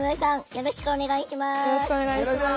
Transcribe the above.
よろしくお願いします。